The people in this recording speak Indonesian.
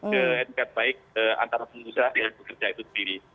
ke etikat baik antara pengusaha dan pekerja itu sendiri